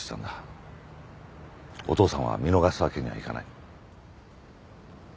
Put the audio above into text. お父さんは見逃すわけにはいかない。